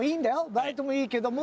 バイトもいいけども。